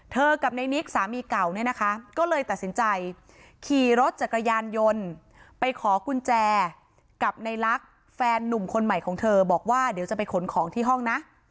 กับในนิกสามีเก่าเนี่ยนะคะก็เลยตัดสินใจขี่รถจักรยานยนต์ไปขอกุญแจกับในลักษณ์แฟนนุ่มคนใหม่ของเธอบอกว่าเดี๋ยวจะไปขนของที่ห้องนะ